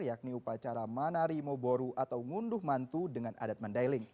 yakni upacara manari moboru atau ngunduh mantu dengan adat mandailing